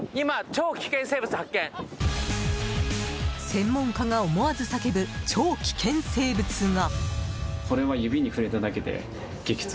専門家が思わず叫ぶ超危険生物が。